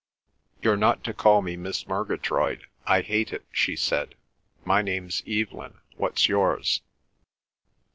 "You're not to call me Miss Murgatroyd. I hate it," she said. "My name's Evelyn. What's yours?"